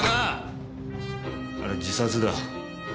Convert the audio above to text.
あれは自殺だ。